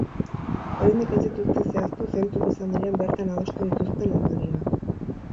Oraindik ez dituzte zehaztu zeintzuk izan diren bertan adostu dituzten ondorioak.